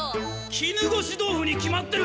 絹ごし豆腐に決まってる！